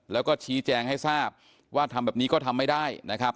แล้วก็ชี้แจงให้ทราบว่าทำแบบนี้ก็ทำไม่ได้นะครับ